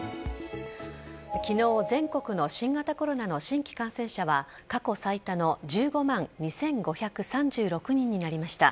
昨日、全国の新型コロナの新規感染者は過去最多の１５万２５３６人になりました。